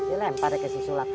dilempar ke sisulam